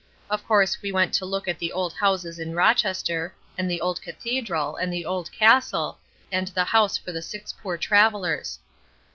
Of course we went to look at the old houses in Rochester, and the old Cathedral, and the old castle, and the house for the six poor travellers.